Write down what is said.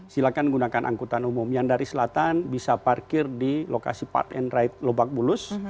silakan gunakan angkutan umum yang dari selatan bisa parkir di lokasi part and ride lebak bulus